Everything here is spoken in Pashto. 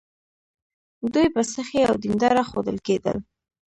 دوی به سخي او دینداره ښودل کېدل.